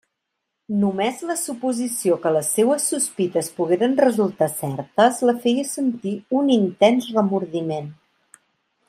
Només la suposició que les seues sospites pogueren resultar certes la feia sentir un intens remordiment.